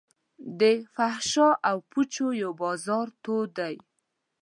د فحاشا او پوچو یو بازار تود دی.